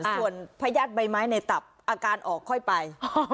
ส่วนพญาติใบไม้ในตับอาการออกค่อยไป